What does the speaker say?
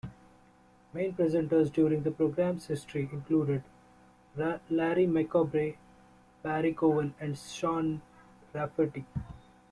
Main presenters during the programme's history included Larry McCoubrey, Barry Cowan and Sean Rafferty.